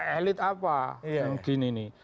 elit apa yang begini